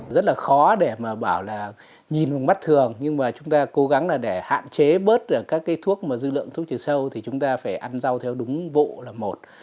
rất là khó để mà bảo là nhìn bằng mắt thường nhưng mà chúng ta cố gắng là để hạn chế bớt các cái thuốc mà dư lượng thuốc trừ sâu thì chúng ta phải ăn rau theo đúng vụ là một